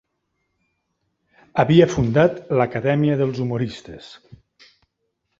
Havia fundat l'Acadèmia dels humoristes.